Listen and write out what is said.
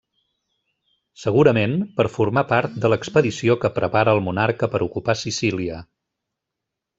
Segurament, per formar part de l’expedició que prepara el monarca per ocupar Sicília.